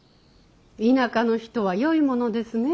田舎の人はよいものですね。